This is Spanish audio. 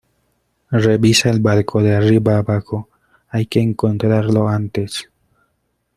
revisa el barco de arriba a abajo, hay que encontrarlo antes